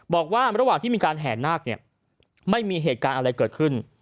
บอกว่าระหว่างที่มีการแห่นาคเนี่ยไม่มีเหตุการณ์อะไรเกิดขึ้น